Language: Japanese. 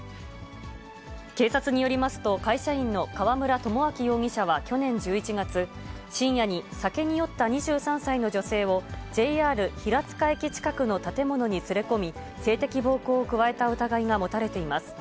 警察によりますと、会社員の河村友章容疑者は去年１１月、深夜に、酒に酔った２３歳の女性を、ＪＲ平塚駅近くの建物に連れ込み、性的暴行を加えた疑いが持たれています。